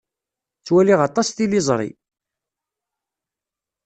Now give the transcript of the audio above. Ttwaliɣ aṭas tiliẓri.